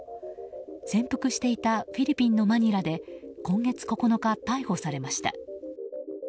潜伏していたフィリピンのマニラで今月９日逮捕されました。